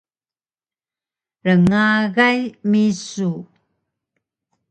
Rngagay misu